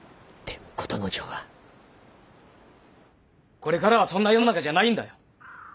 これからはそんな世の中じゃないんだよ。